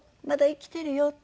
まだ生きてるよ」